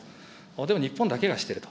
でも日本だけがしてると。